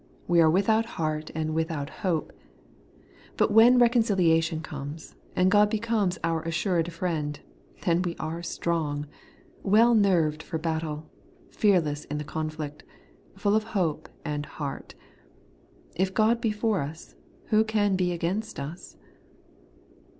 We are without heart, and without hopa But when reconciliation comes, and God becomes our assured friend, then we are strong ; well nerved for battle ; fearless in the conflict ; full of hope and heart * If God be for us, who can be against us